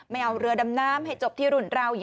ไม่เอาเรือดำน้ำให้จบที่รุ่นเรา